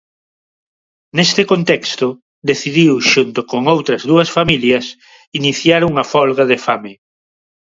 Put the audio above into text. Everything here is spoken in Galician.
Neste contexto, decidiu xunto con outras dúas familias iniciar unha folga de fame.